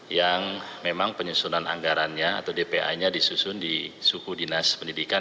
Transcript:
yang memang penyusunan anggarannya atau dpa nya disusun di suku dinas pendidikan